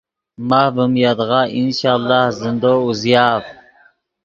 ماف ڤیم یدغا انشاء اللہ زندو اوزیآف